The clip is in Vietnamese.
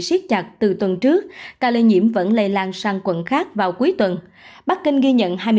siết chặt từ tuần trước ca lây nhiễm vẫn lây lan sang quận khác vào cuối tuần bắc kinh ghi nhận